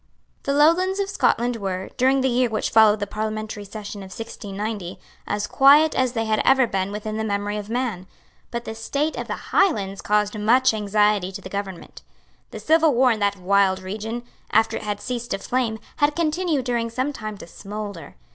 The Lowlands of Scotland were, during the year which followed the parliamentary session of 1690, as quiet as they had ever been within the memory of man; but the state of the Highlands caused much anxiety to the government. The civil war in that wild region, after it had ceased to flame, had continued during some time to smoulder.